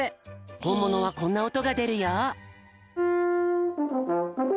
ほんものはこんなおとがでるよ。